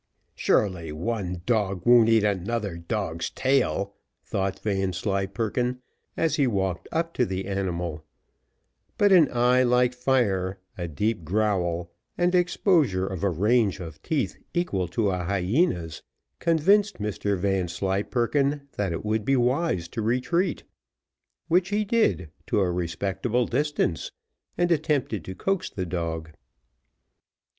"Surely one dog won't eat another dog's tail," thought Vanslyperken, as he walked up to the animal; but an eye like fire, a deep growl, and exposure of a range of teeth equal to a hyena's, convinced Mr Vanslyperken that it would be wise to retreat which he did, to a respectable distance, and attempted to coax the dog.